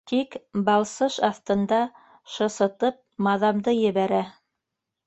Тик балсыш аҫтында шысытып маҙамды ебәрә.